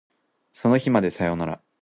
その日までさよなら